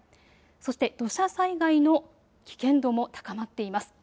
そして土砂災害の危険度も高まっています。